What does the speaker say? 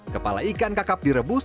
kepala ikan kakap direbus